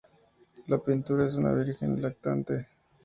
La pintura es una Virgen Lactante.